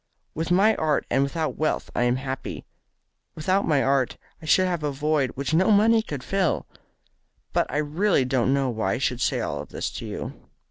With my art and without wealth I am happy. Without my art I should have a void which no money could fill. But I really don't know why I should say all this to you."